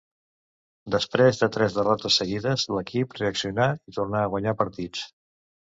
Després de tres derrotes seguides, l'equip reaccionà i tornà a guanyar partits.